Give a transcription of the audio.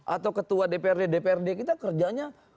atau ketua dprd dprd kita kerjanya